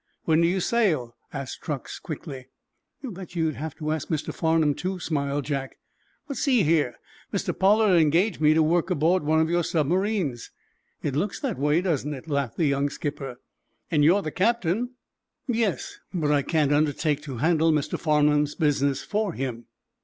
"When do you sail?" asked Truax, quickly. "That you would have to ask Mr. Farnum, too," smiled Jack. "But, see here, Mr. Pollard engaged me to work aboard one of your submarines." "It looks that way, doesn't it?" laughed the young skipper. "And you're the captain?" "Yes; but I can't undertake to handle Mr. Farnum's business for him."